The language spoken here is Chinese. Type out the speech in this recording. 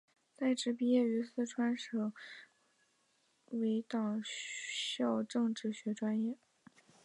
在职毕业于四川省委党校政治学专业。